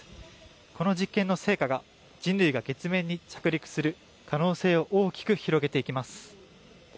この実験の成果が人類が月面に着陸する可能性を大きく広げていきます。